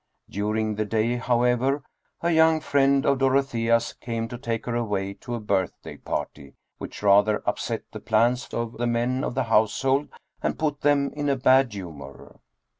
During the day, however, a young friend of Dorothea's came to take her away to a birthday party, which rather upset the plans of the men of the household and put them in a bad. humor.